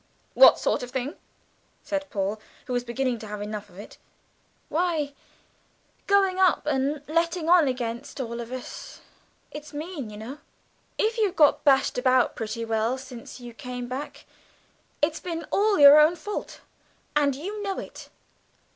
"What sort of thing?" said Paul, who was beginning to have enough of it. "Why, going up and letting on against all of us it's mean, you know. If you have got bashed about pretty well since you came back, it's been all your own fault, and you know it.